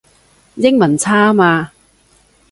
英文差吖嘛